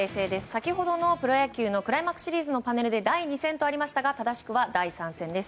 先ほどのプロ野球のクライマックスシリーズのパネルで第２戦とありましたが正しくは第３戦です。